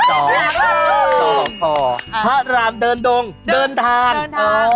พระรามเดินดงเดินทาง